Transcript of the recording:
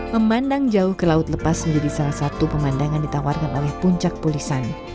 memandang jauh ke laut lepas menjadi salah satu pemandangan ditawarkan oleh puncak pulisan